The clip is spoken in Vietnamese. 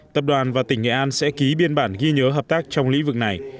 tập đoàn và tỉnh nghệ an sẽ ký biên bản ghi nhớ hợp tác trong lĩnh vực này